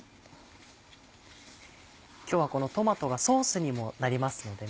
今日はこのトマトがソースにもなりますのでね。